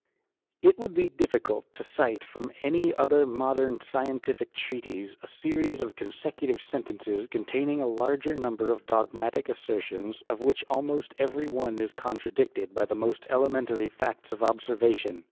It would be difficult to cite from any other modern scientific treatise a series of consecutive sentences con taining a larger number of dogmatic assertions, of which almost every one is contradicted by the most elementary facts of observation.